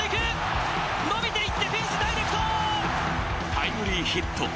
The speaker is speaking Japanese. タイムリーヒット。